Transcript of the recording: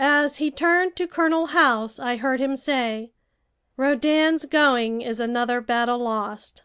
As he turned to Colonel House I heard him say: "Rodin's going is another battle lost."